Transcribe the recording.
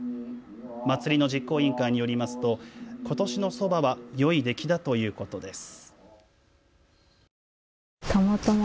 祭りの実行委員会によりますとことしのそばはよい出来だということです。